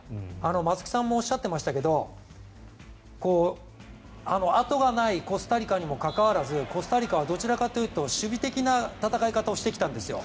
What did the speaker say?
松木さんもおっしゃっていましたけどあとがないコスタリカにもかかわらずコスタリカはどちらかというと守備的な戦い方をしてきたんですよ。